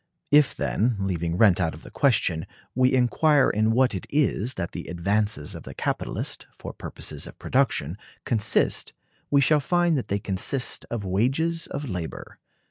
If, then, leaving rent out of the question, we inquire in what it is that the advances of the capitalist, for purposes of production, consist, we shall find that they consist of wages of labor.